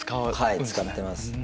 はい使ってます。